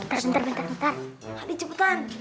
bentar bentar bentar